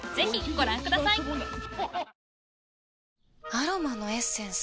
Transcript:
アロマのエッセンス？